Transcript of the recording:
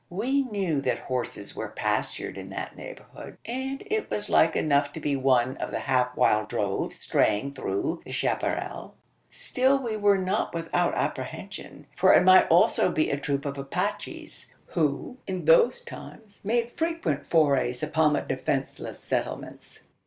We knew that horses were pastured in that neighbourhood; and it was like enough to be one of the half wild droves straying through the chapparal. Still we were not without apprehension: for it might also be a troop of Apaches who in those times made frequent forays upon the defenceless settlements.